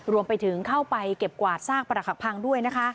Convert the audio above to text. รวมไปถึงเข้าไปเก็บกวาดซากประหลักหักพังด้วยนะคะ